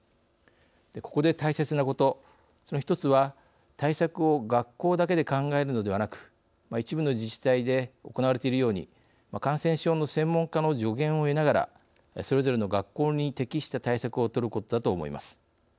ここで大切なことその一つは対策を学校だけで考えるのではなく一部の自治体で行われているように感染症の専門家の助言を得ながらそれぞれの学校に適した対策を取ることだと思います。